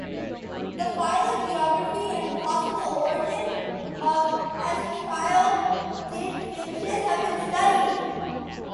The phylogeography and possible origin of estrildid finches have been studied.